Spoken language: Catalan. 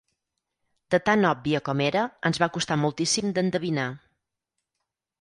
De tan òbvia com era, ens va costar moltíssim d'endevinar.